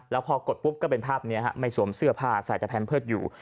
แล้วพอกดปุ๊บก็เป็นภาพนี้ไม่สวมเสื้อผ้าใส่ตะแพนเพิร์ตอยู่